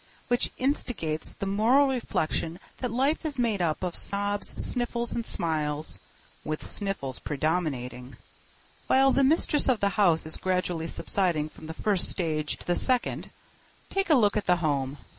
Which instigates the moral reflection that life is made up of sobs, sniffles, and smiles, with sniffles predominating. While the mistress of the home is gradually subsiding from the first stage to the second, take a look at the home.